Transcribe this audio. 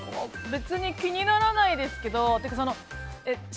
別に気にならないですけど。